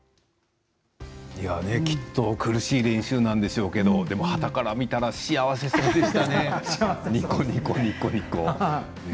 きっと苦しい練習なんでしょうけどでも、はたから見たら幸せそうでしたね。